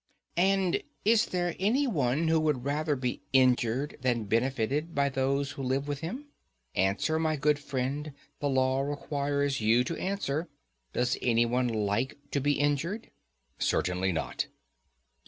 And is there anyone who would rather be injured than benefited by those who live with him? Answer, my good friend, the law requires you to answer—does any one like to be injured? Certainly not.